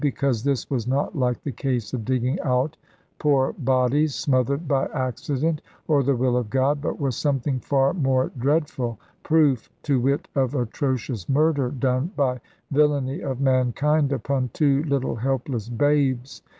Because this was not like the case of digging out poor bodies smothered by accident or the will of God, but was something far more dreadful; proof, to wit, of atrocious murder done by villany of mankind upon two little helpless babes.